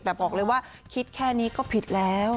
แต่บอกเลยว่าคิดแค่นี้ก็ผิดแล้ว